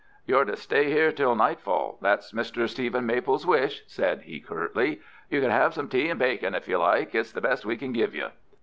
"You're to stay here until nightfall. That's Mr. Stephen Maple's wish," said he, curtly. "You can have some tea and bacon if you like. It's the best we can give you."